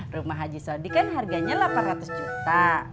rumah haji saudi kan harganya delapan ratus juta